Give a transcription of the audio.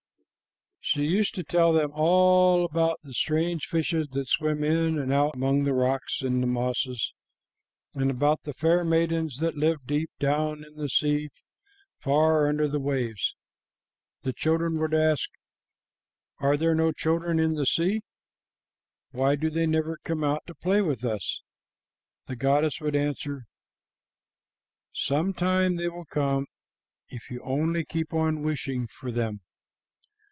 She used to tell them all about the strange fishes that swim in and out among the rocks and the mosses, and about the fair maidens that live deep down in the sea far under the waves. The children would ask, 'Are there no children in the sea? Why do they never come out to play with us?' The goddess would answer, 'Some time they will come, if you only keep on wishing for them.